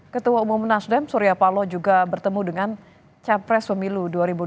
ketua umum nasdem surya paloh juga bertemu dengan capres pemilu dua ribu dua puluh